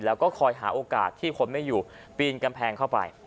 แล้วก็คอยหาโอกาสที่คนไม่อยู่ปีนกำแพงเข้าไป